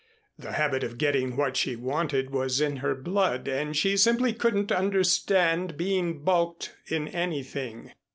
The habit of getting what she wanted was in her blood and she simply couldn't understand being balked in anything.